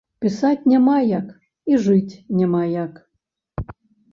Пісаць няма як і жыць няма як.